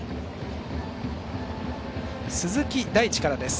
鈴木大地からです。